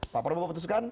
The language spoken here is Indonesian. pak prabowo putuskan